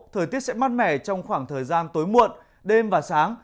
thời tiết sẽ mát mẻ trong khoảng thời gian tối muộn đêm và sáng